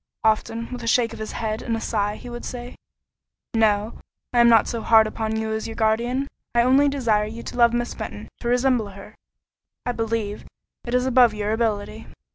Often, with a shake of his head and a sigh, would he say, "No; I am not so hard upon you as your guardian: I only desire you to love Miss Fenton; to resemble her, I believe, is above your ability."